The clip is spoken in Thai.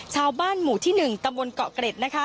ชาวบ้านหมู่ที่๑ตะมนต์เกาะเกร็ด